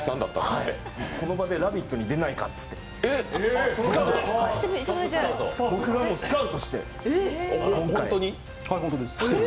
その場で「ラヴィット！」に出ないか？と僕がスカウトして！